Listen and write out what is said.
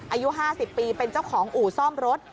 อายุ๕๐ปีเป็นเจ้าของอู่ซ่อมรถ